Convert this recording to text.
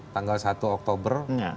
tanggal satu oktober